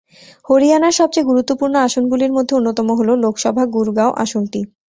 হরিয়ানার সবচেয়ে গুরুত্বপূর্ণ আসনগুলির মধ্যে অন্যতম হল লোকসভা গুরগাঁও আসনটি।